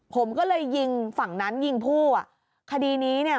ผมก็เลยยิงฝั่งนั้นยิงผู้อ่ะคดีนี้เนี่ย